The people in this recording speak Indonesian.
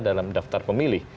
dalam daftar pemilih